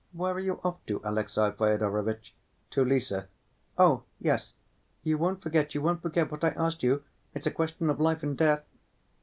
Where are you off to, Alexey Fyodorovitch?" "To Lise." "Oh, yes. You won't forget, you won't forget what I asked you? It's a question of life and death!"